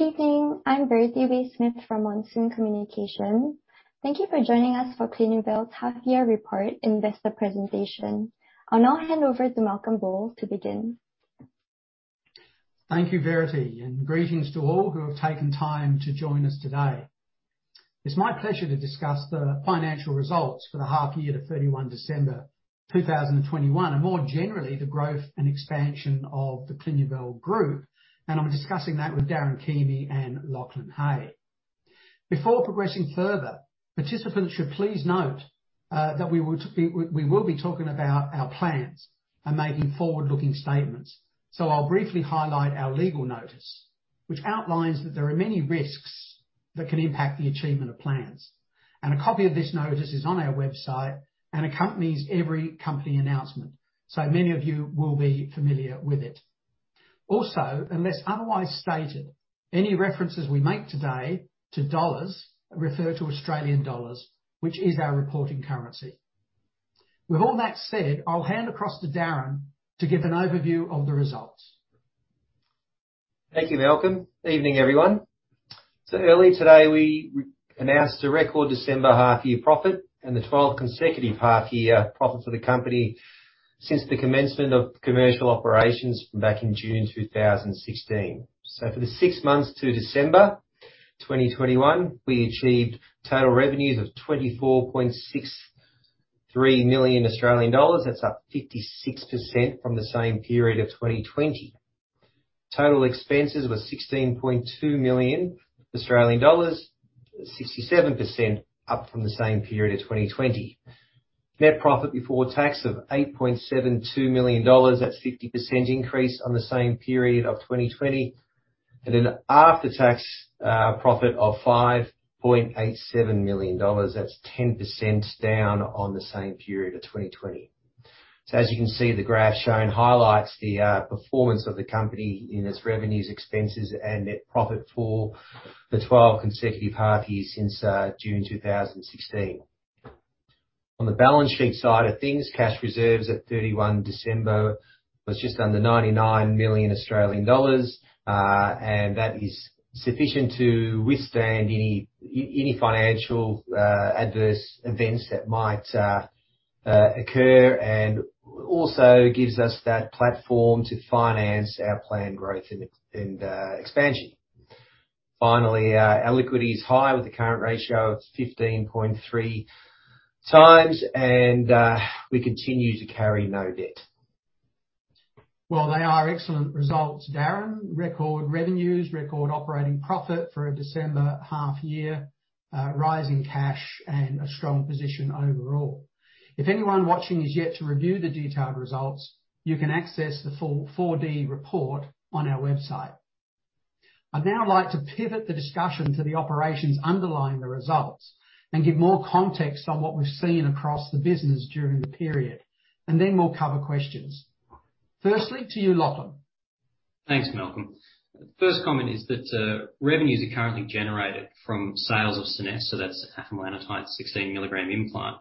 Good evening. I'm Verity Smith from Monsoon Communications. Thank you for joining us for CLINUVEL's half-year report investor presentation. I'll now hand over to Malcolm Bull to begin. Thank you, Verity, and greetings to all who have taken time to join us today. It's my pleasure to discuss the financial results for the half year to 31 December 2021, and more generally, the growth and expansion of the CLINUVEL Group, and I'm discussing that with Darren Keamy and Lachlan Hay. Before progressing further, participants should please note that we will be talking about our plans and making forward-looking statements. I'll briefly highlight our legal notice, which outlines that there are many risks that can impact the achievement of plans, and a copy of this notice is on our website and accompanies every company announcement, so many of you will be familiar with it. Also, unless otherwise stated, any references we make today to dollars refer to Australian dollars, which is our reporting currency. With all that said, I'll hand across to Darren to give an overview of the results. Thank you, Malcolm. Evening, everyone. Early today, we announced a record December half year profit and the 12th consecutive half year profit for the company since the commencement of commercial operations back in June 2016. For the six months to December 2021, we achieved total revenues of 24.63 million Australian dollars. That's up 56% from the same period of 2020. Total expenses were 16.2 million Australian dollars, 67% up from the same period of 2020. Net profit before tax of AUD 8.72 million. That's 50% increase on the same period of 2020. After-tax profit of 5.87 million dollars, that's 10% down on the same period of 2020. As you can see, the graph shown highlights the performance of the company in its revenues, expenses, and net profit for the 12 consecutive half years since June 2016. On the balance sheet side of things, cash reserves at 31 December was just under 99 million Australian dollars, and that is sufficient to withstand any financial adverse events that might occur, and also gives us that platform to finance our planned growth and expansion. Finally, our liquidity is high with the current ratio of 15.3x, and we continue to carry no debt. Well, they are excellent results, Darren. Record revenues, record operating profit for a December half year, rise in cash, and a strong position overall. If anyone watching is yet to review the detailed results, you can access the full 4D report on our website. I'd now like to pivot the discussion to the operations underlying the results and give more context on what we've seen across the business during the period, and then we'll cover questions. Firstly to you, Lachlan. Thanks, Malcolm. The first comment is that revenues are currently generated from sales of SCENESSE, that's afamelanotide 16 mg implant.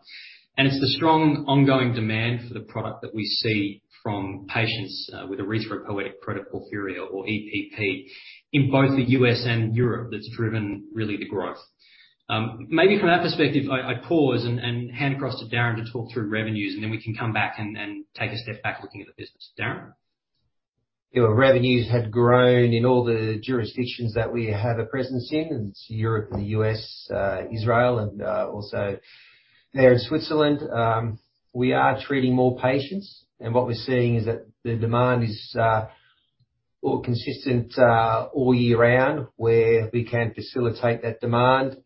It's the strong ongoing demand for the product that we see from patients with erythropoietic protoporphyria or EPP in both the U.S. and Europe that's driven really the growth. Maybe from that perspective, I pause and hand over to Darren to talk through revenues, and then we can come back and take a step back looking at the business. Darren? Yeah. Revenues have grown in all the jurisdictions that we have a presence in, and it's Europe and the U.S., Israel, and also there in Switzerland. We are treating more patients and what we're seeing is that the demand is all consistent all year round where we can facilitate that demand.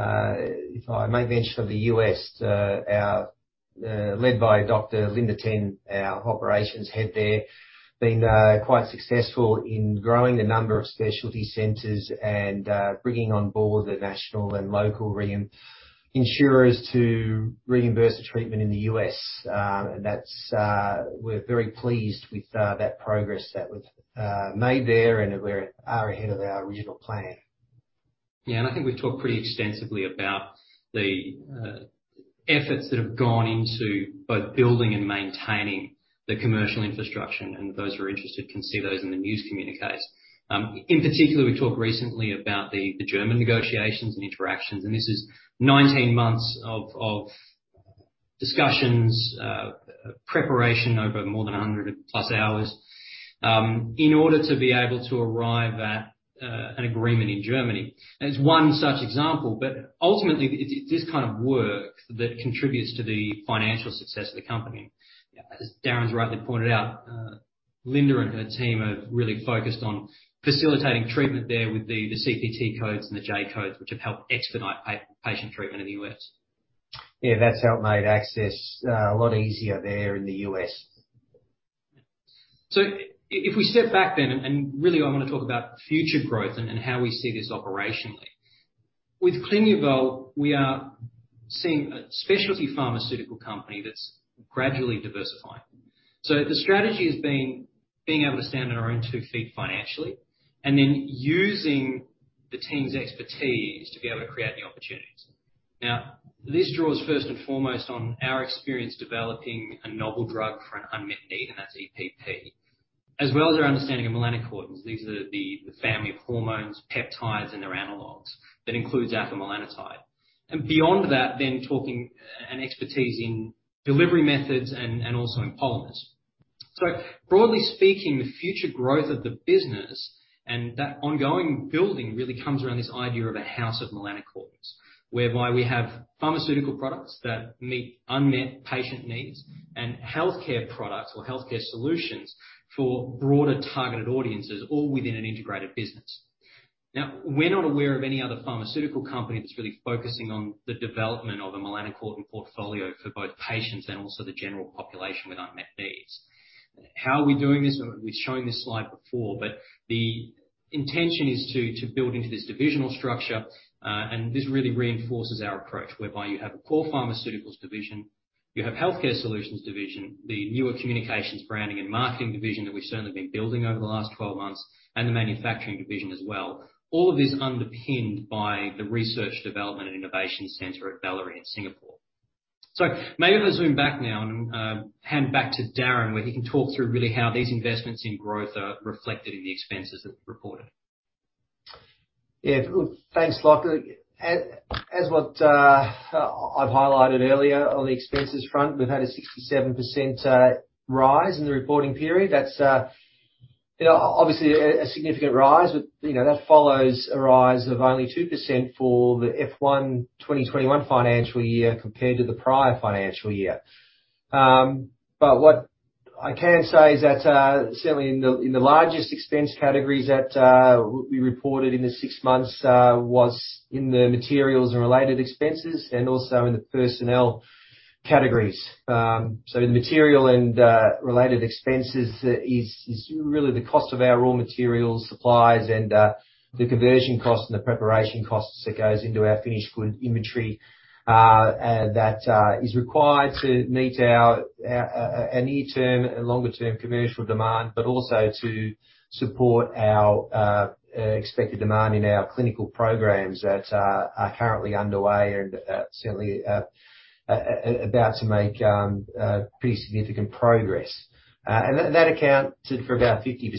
If I may mention for the U.S., led by Dr. Linda Teng, our Operations Head there, been quite successful in growing the number of specialty centers and bringing on board the national and local insurers to reimburse the treatment in the U.S. We're very pleased with that progress that was made there, and we are ahead of our original plan. Yeah, I think we've talked pretty extensively about the efforts that have gone into both building and maintaining the commercial infrastructure, and those who are interested can see those in the news communiques. In particular, we talked recently about the German negotiations and interactions, and this is 19 months of discussions, preparation over more than 100+ hours, in order to be able to arrive at an agreement in Germany. It's one such example, but ultimately it's this kind of work that contributes to the financial success of the company. As Darren's rightly pointed out, Linda and her team have really focused on facilitating treatment there with the CPT codes and the J-codes, which have helped expedite patient treatment in the U.S. Yeah. That's helped make access a lot easier there in the U.S. If we step back then, really I wanna talk about future growth and how we see this operationally. With CLINUVEL, we are seeing a specialty pharmaceutical company that's gradually diversifying. The strategy is being able to stand on our own two feet financially, and then using the team's expertise to be able to create new opportunities. Now, this draws first and foremost on our experience developing a novel drug for an unmet need, and that's EPP. As well as our understanding of melanocortins. These are the family of hormones, peptides and their analogs, that includes afamelanotide. Beyond that an expertise in delivery methods and also in polymers. Broadly speaking, the future growth of the business and that ongoing building really comes around this idea of a house of melanocortins. Whereby we have pharmaceutical products that meet unmet patient needs and healthcare products or healthcare solutions for broader targeted audiences, all within an integrated business. Now, we're not aware of any other pharmaceutical company that's really focusing on the development of a melanocortin portfolio for both patients and also the general population with unmet needs. How are we doing this? We've shown this slide before, but the intention is to build into this divisional structure. This really reinforces our approach, whereby you have a core pharmaceuticals division, you have Healthcare Solutions Division, the newer Communications Branding and Marketing Division that we've certainly been building over the last 12 months, and the Manufacturing Division as well. All of this underpinned by the Research, Development and Innovation Center at VALLAURIX in Singapore. Maybe I'll zoom back now and hand back to Darren, where he can talk through really how these investments in growth are reflected in the expenses that we've reported. Yeah. Thanks, Lachlan. As what I've highlighted earlier on the expenses front, we've had a 67% rise in the reporting period. That's you know obviously a significant rise, but you know that follows a rise of only 2% for the FY 2021 financial year compared to the prior financial year. What I can say is that certainly in the largest expense categories that we reported in the six months was in the materials and related expenses and also in the personnel categories. The material and related expenses is really the cost of our raw materials, supplies and the conversion costs and the preparation costs that goes into our finished good inventory that is required to meet our near term and longer term commercial demand, but also to support our expected demand in our clinical programs that are currently underway and certainly about to make pretty significant progress. That accounted for about 50%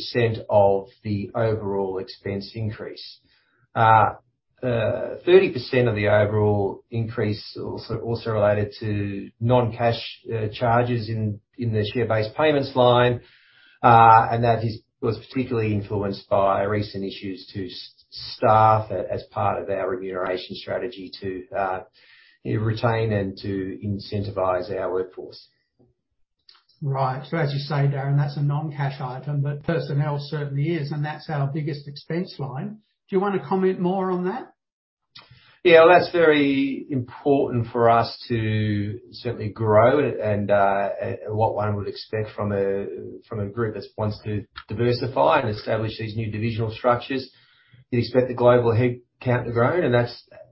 of the overall expense increase. 30% of the overall increase also related to non-cash charges in the share-based payments line. That was particularly influenced by recent issues to staff as part of our remuneration strategy to retain and to incentivize our workforce. Right. As you say, Darren, that's a non-cash item, but personnel certainly is, and that's our biggest expense line. Do you wanna comment more on that? Well, that's very important for us to certainly grow and what one would expect from a group that wants to diversify and establish these new divisional structures. You'd expect the global headcount to grow, and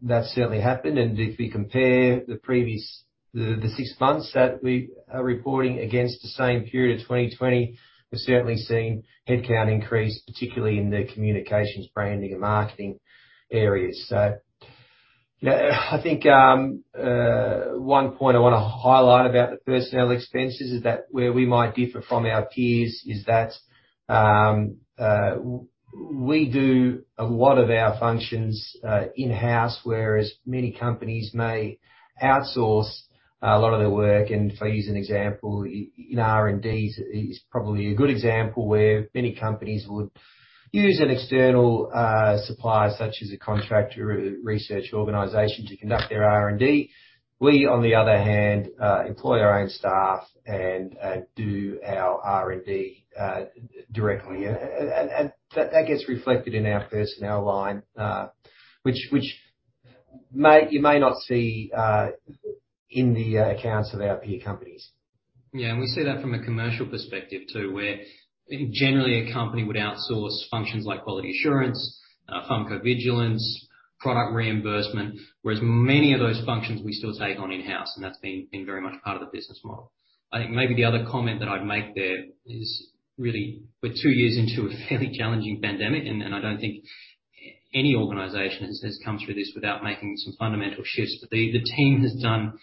that's certainly happened. If we compare the six months that we are reporting against the same period of 2020, we've certainly seen headcount increase, particularly in the communications, branding and marketing areas. You know, I think one point I wanna highlight about the personnel expenses is that where we might differ from our peers is that we do a lot of our functions in-house, whereas many companies may outsource a lot of their work. If I use an example, in R&D is probably a good example where many companies would use an external supplier, such as a contractor or research organization to conduct their R&D. We, on the other hand, employ our own staff and do our R&D directly. That gets reflected in our personnel line, which you may not see in the accounts of our peer companies. Yeah. We see that from a commercial perspective too, where generally a company would outsource functions like quality assurance, pharmacovigilance, product reimbursement, whereas many of those functions we still take on in-house, and that's been very much part of the business model. I think maybe the other comment that I'd make there is really we're two years into a fairly challenging pandemic, and I don't think any organization has come through this without making some fundamental shifts. The team has done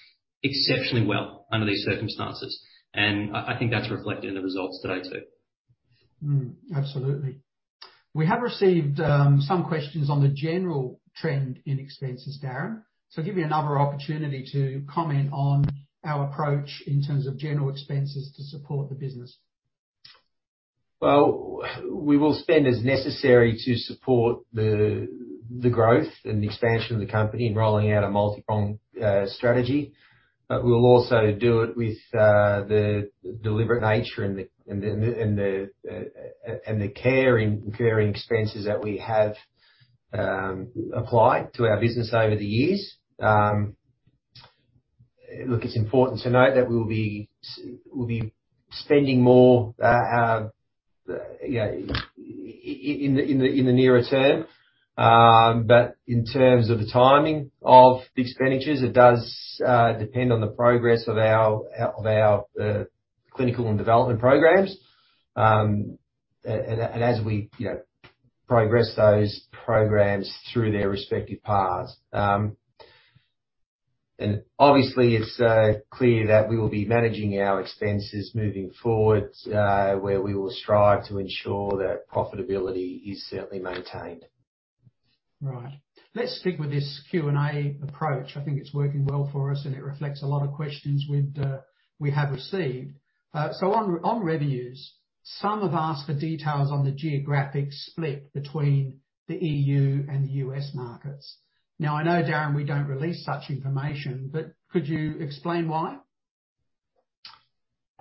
exceptionally well under these circumstances, and I think that's reflected in the results today too. Absolutely. We have received some questions on the general trend in expenses, Darren. I'll give you another opportunity to comment on our approach in terms of general expenses to support the business. Well, we will spend as necessary to support the growth and the expansion of the company in rolling out a multi-pronged strategy. We'll also do it with the deliberate nature and the care in caring expenses that we have applied to our business over the years. Look, it's important to note that we'll be spending more, you know, in the nearer term. In terms of the timing of the expenditures, it does depend on the progress of our clinical and development programs as we, you know, progress those programs through their respective paths. Obviously, it's clear that we will be managing our expenses moving forward, where we will strive to ensure that profitability is certainly maintained. Right. Let's stick with this Q&A approach. I think it's working well for us, and it reflects a lot of questions we have received. On revenues, some have asked for details on the geographic split between the EU and the U.S. markets. Now, I know, Darren, we don't release such information, but could you explain why?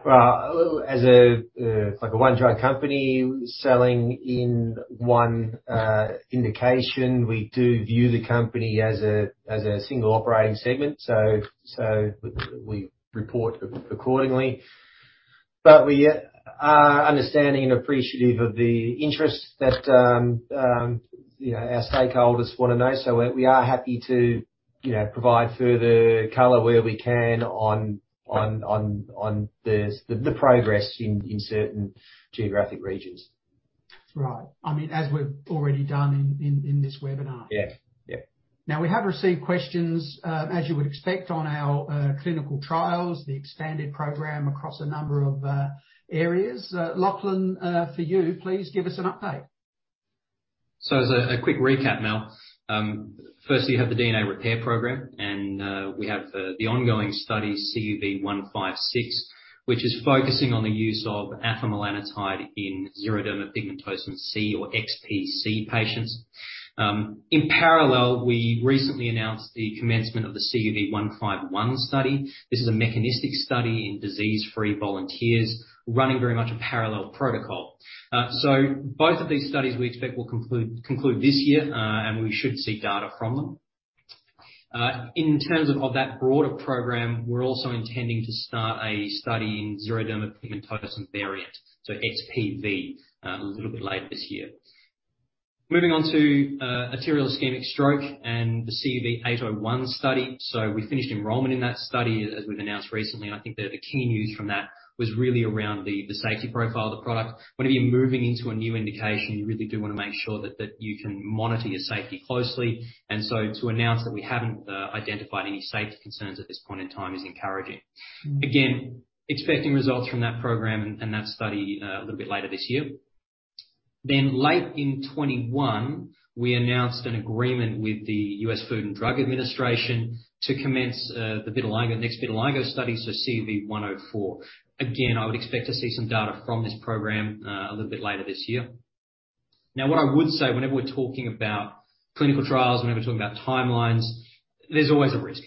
Well, as a like a one drug company selling in one indication, we do view the company as a single operating segment, so we report accordingly. But we are understanding and appreciative of the interest that you know, our stakeholders wanna know. We are happy to you know, provide further color where we can on the progress in certain geographic regions. Right. I mean, as we've already done in this webinar. Yes. Yep. Now, we have received questions, as you would expect on our clinical trials, the expanded program across a number of areas. Lachlan, for you, please give us an update? As a quick recap, Mal. Firstly, you have the DNA Repair Program, and we have the ongoing study CUV156, which is focusing on the use of afamelanotide in xeroderma pigmentosum C or XPC patients. In parallel, we recently announced the commencement of the CUV151 study. This is a mechanistic study in disease-free volunteers running very much a parallel protocol. Both of these studies we expect will conclude this year, and we should see data from them. In terms of that broader program, we're also intending to start a study in xeroderma pigmentosum variant, so XPV, a little bit later this year. Moving on to arterial ischemic stroke and the CUV801 study. We finished enrollment in that study, as we've announced recently, and I think that the key news from that was really around the safety profile of the product. Whenever you're moving into a new indication, you really do wanna make sure that you can monitor your safety closely. To announce that we haven't identified any safety concerns at this point in time is encouraging. Again, expecting results from that program and that study a little bit later this year. Late in 2021, we announced an agreement with the U.S. Food and Drug Administration to commence the vitiligo next vitiligo study, so CUV104. Again, I would expect to see some data from this program a little bit later this year. Now, what I would say, whenever we're talking about clinical trials, whenever we're talking about timelines, there's always a risk.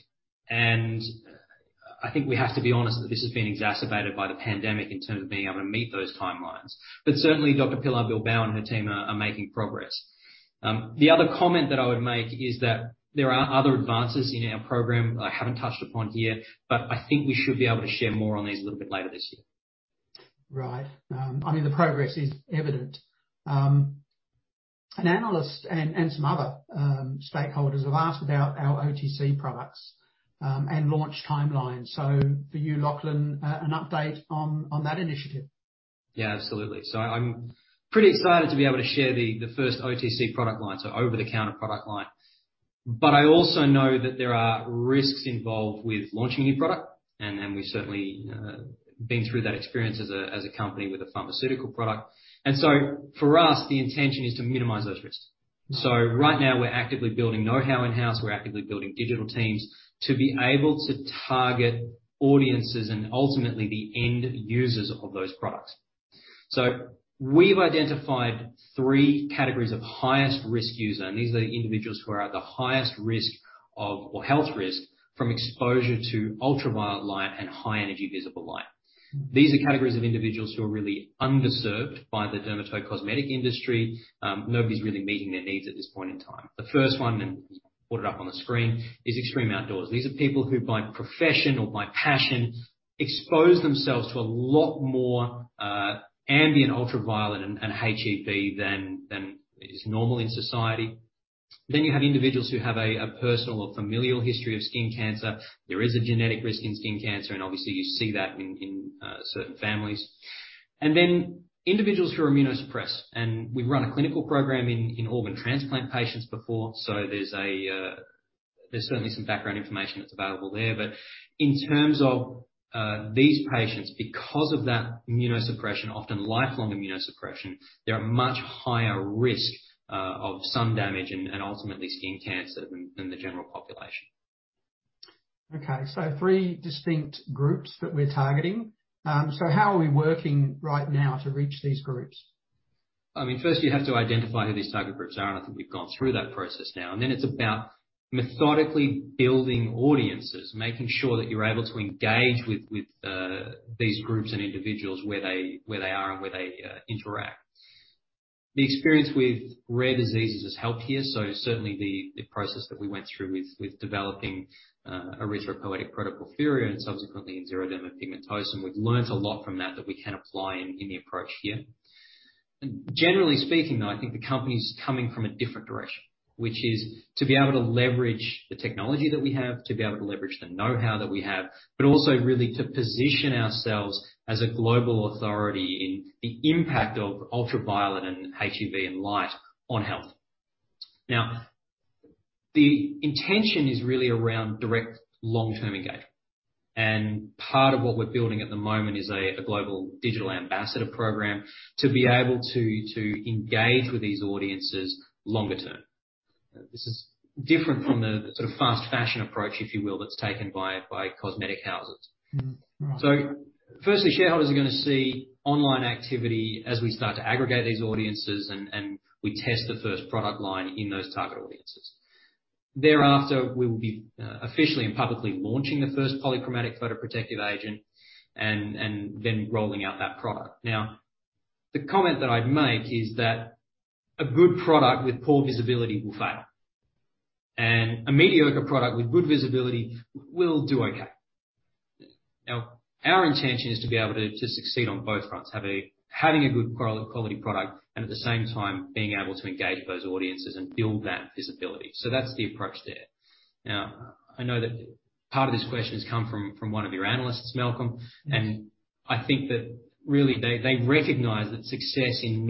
I think we have to be honest that this has been exacerbated by the pandemic in terms of being able to meet those timelines. Certainly, Dr. Pilar Bilbao and her team are making progress. The other comment that I would make is that there are other advances in our program that I haven't touched upon here, but I think we should be able to share more on these a little bit later this year. Right. I mean, the progress is evident. An analyst and some other stakeholders have asked about our OTC products and launch timelines. For you, Lachlan, an update on that initiative? Yeah, absolutely. I'm pretty excited to be able to share the first OTC product line, over-the-counter product line. I also know that there are risks involved with launching a new product, and we've certainly been through that experience as a company with a pharmaceutical product. For us, the intention is to minimize those risks. Right now we're actively building know-how in-house. We're actively building digital teams to be able to target audiences and ultimately the end users of those products. We've identified three categories of highest risk user, and these are the individuals who are at the highest risk of or health risk from exposure to ultraviolet light and High-Energy Visible light. These are categories of individuals who are really underserved by the dermato-cosmetic industry. Nobody's really meeting their needs at this point in time. The first one, and we put it up on the screen, is extreme outdoors. These are people who by profession or by passion expose themselves to a lot more ambient ultraviolet and HEV than is normal in society. Then you have individuals who have a personal or familial history of skin cancer. There is a genetic risk in skin cancer, and obviously you see that in certain families. Then individuals who are immunosuppressed, and we've run a clinical program in organ transplant patients before, so there's certainly some background information that's available there. In terms of these patients, because of that immunosuppression, often lifelong immunosuppression, they're at much higher risk of sun damage and ultimately skin cancer than the general population. Okay. Three distinct groups that we're targeting. How are we working right now to reach these groups? I mean, first you have to identify who these target groups are, and I think we've gone through that process now, and then it's about methodically building audiences, making sure that you're able to engage with these groups and individuals where they are and where they interact. The experience with rare diseases has helped here, so certainly the process that we went through with developing erythropoietic protoporphyria and subsequently in xeroderma pigmentosum, we've learned a lot from that we can apply in the approach here. Generally speaking, though, I think the company's coming from a different direction, which is to be able to leverage the technology that we have, to be able to leverage the know-how that we have, but also really to position ourselves as a global authority in the impact of ultraviolet and HEV and light on health. The intention is really around direct long-term engagement. Part of what we're building at the moment is a Global Digital Ambassador Program to be able to engage with these audiences longer term. This is different from the sort of fast fashion approach, if you will, that's taken by cosmetic houses. Mm-hmm. Right. Firstly, shareholders are gonna see online activity as we start to aggregate these audiences and we test the first product line in those target audiences. Thereafter, we will be officially and publicly launching the first polychromatic photoprotective agent and then rolling out that product. Now, the comment that I'd make is that a good product with poor visibility will fail, and a mediocre product with good visibility will do okay. Now, our intention is to be able to succeed on both fronts, have a good quality product and at the same time being able to engage those audiences and build that visibility. That's the approach there. Now, I know that part of this question has come from one of your analysts, Malcolm, and I think that really they recognize that success in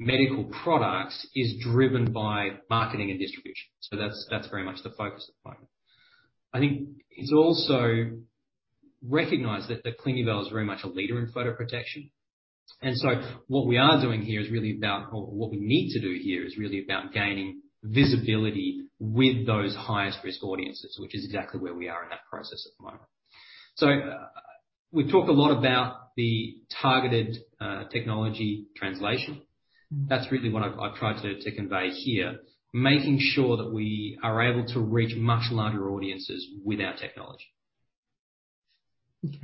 non-medical products is driven by marketing and distribution. That's very much the focus at the moment. I think it's also recognized that CLINUVEL is very much a leader in photoprotection. What we need to do here is really about gaining visibility with those highest risk audiences, which is exactly where we are in that process at the moment. We've talked a lot about the targeted technology translation. Mm-hmm. That's really what I've tried to convey here, making sure that we are able to reach much larger audiences with our technology. Okay.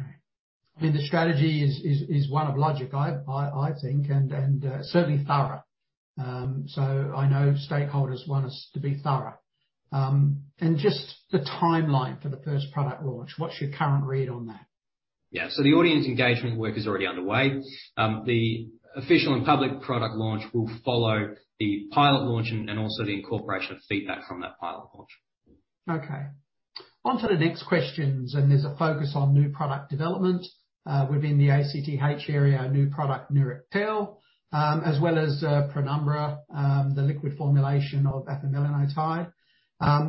The strategy is one of logic, I think, and certainly thorough. I know stakeholders want us to be thorough. Just the timeline for the first product launch, what's your current read on that? Yeah. The audience engagement work is already underway. The official and public product launch will follow the pilot launch and also the incorporation of feedback from that pilot launch. Okay. On to the next questions, there's a focus on new product development within the ACTH area, new product NEURACTHEL, as well as PRÉNUMBRA, the liquid formulation of afamelanotide.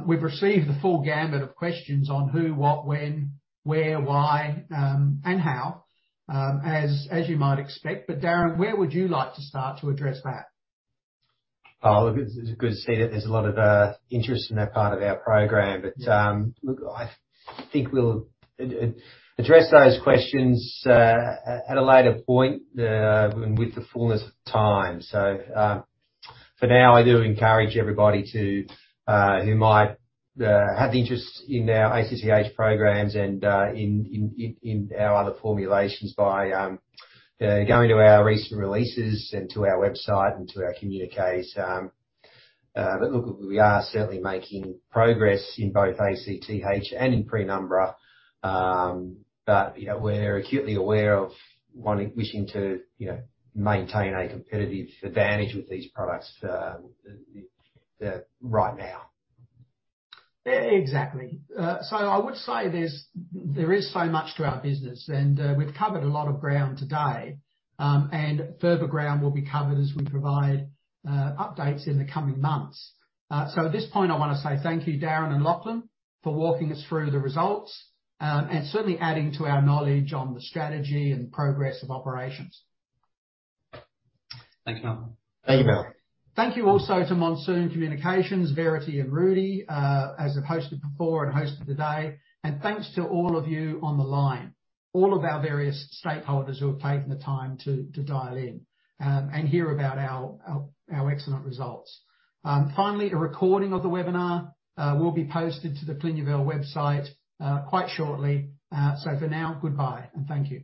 We've received the full gamut of questions on who, what, when, where, why, and how, as you might expect. Darren, where would you like to start to address that? Oh, look, it's good to see that there's a lot of interest in that part of our program. Look, I think we'll address those questions at a later point when with the fullness of time. For now, I do encourage everybody, who might have interest in our ACTH programs and in our other formulations by going to our recent releases and to our website and to our communiques. Look, we are certainly making progress in both ACTH and in PRÉNUMBRA. You know, we're acutely aware of wishing to, you know, maintain a competitive advantage with these products right now. Exactly. So I would say there is so much to our business, and we've covered a lot of ground today, and further ground will be covered as we provide updates in the coming months. So at this point, I wanna say thank you, Darren and Lachlan, for walking us through the results, and certainly adding to our knowledge on the strategy and progress of operations. Thank you, Malcolm. Thank you, Malcolm. Thank you also to Monsoon Communications, Verity and Rudi, as have hosted before and hosted today. Thanks to all of you on the line, all of our various stakeholders who have taken the time to dial in and hear about our excellent results. Finally, a recording of the webinar will be posted to the CLINUVEL website quite shortly. For now, goodbye and thank you.